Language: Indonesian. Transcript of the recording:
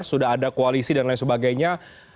sudah ada koalisi dan lain sebagainya